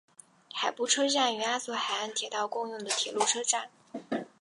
海部车站与阿佐海岸铁道共用的铁路车站。